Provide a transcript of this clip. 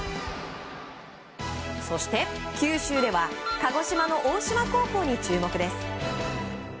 そして九州では鹿児島の大島高校に注目です。